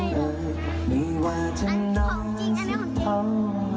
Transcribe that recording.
อันนี้ของจริงอันนี้ของเก่ง